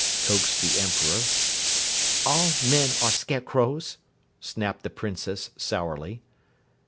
coaxed the Emperor. "All men are Scarecrows," snapped the Princess sourly.